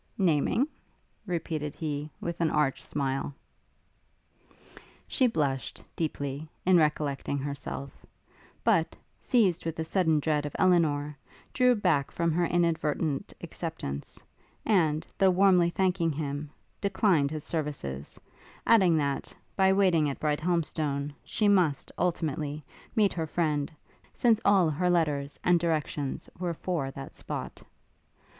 'Naming?' repeated he, with an arch smile. She blushed, deeply, in recollecting herself; but, seized with a sudden dread of Elinor, drew back from her inadvertent acceptance; and, though warmly thanking him, declined his services; adding that, by waiting at Brighthelmstone, she must, ultimately, meet her friend, since all her letters and directions were for that spot.